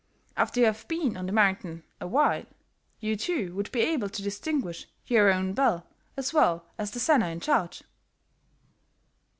"After you have been on the mountain awhile, you, too, would be able to distinguish your own bell as well as the senner in charge."